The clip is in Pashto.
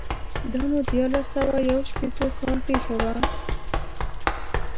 دا نو دیارلس سوه یو شپېتو کال پېښه وه.